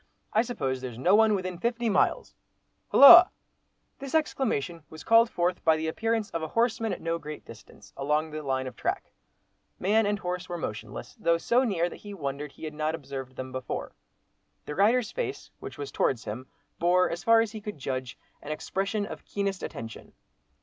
I suppose there's no one within fifty miles—Hulloa!" This exclamation was called forth by the appearance of a horseman at no great distance—along the line of track. Man and horse were motionless, though so near that he wondered he had not observed them before. The rider's face, which was towards him, bore, as far as he could judge, an expression of keenest attention.